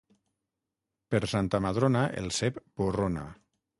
Per Santa Madrona el cep borrona.